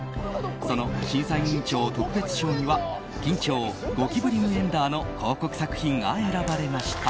その審査委員長特別賞にはキンチョーゴキブリムエンダーの広告作品が選ばれました。